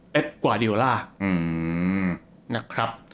เป๊บกวาดิโอลา